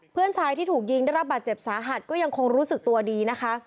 เพื่อนชายที่ถูกยิงได้รับบาดเจ็บสาหัสก็ยังคงรู้สึกตัวดีนะคะ